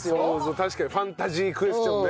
確かにファンタジークエスチョンね。